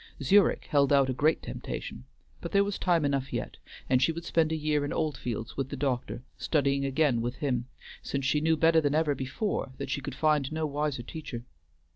Zurich held out a great temptation, but there was time enough yet, and she would spend a year in Oldfields with the doctor, studying again with him, since she knew better than ever before that she could find no wiser teacher.